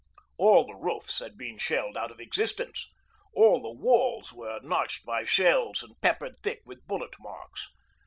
All the roofs had been shelled out of existence. All the walls were notched by shells and peppered thick with bullet marks.